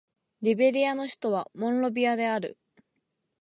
リベリアの首都はモンロビアである